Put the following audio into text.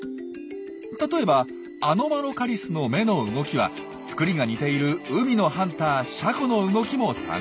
例えばアノマロカリスの目の動きはつくりが似ている海のハンターシャコの動きも参考にしたもの。